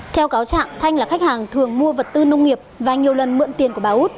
theo cáo trạng thanh là khách hàng thường mua vật tư nông nghiệp và nhiều lần mượn tiền của bà út